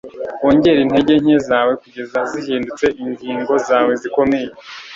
wongere intege nke zawe kugeza zihindutse ingingo zawe zikomeye